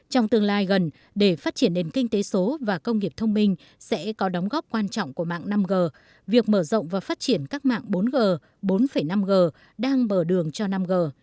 trong tương lai gần để phát triển nền kinh tế số và công nghiệp thông minh sẽ có đóng góp quan trọng của mạng năm g việc mở rộng và phát triển các mạng bốn g bốn năm g đang mở đường cho năm g